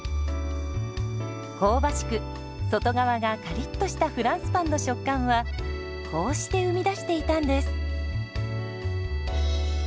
香ばしく外側がカリッとしたフランスパンの食感はこうして生み出していたんです。